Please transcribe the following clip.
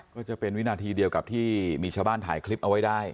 ก็จะเป็นวินาทีเดียวกับที่มีชาวบ้านถ่ายคลิปเอาไว้ได้